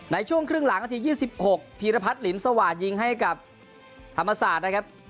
ในช่วงครึ่งหลังนาที๒๖พีรพัฒน์ลินสวาสยิงให้กับธรรมศาสตร์นะครับ